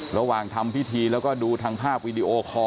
ระหว่างทำพิธีแล้วก็ดูทางภาพวีดีโอคอร์